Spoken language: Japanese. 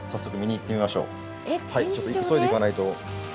ちょっと急いで行かないと。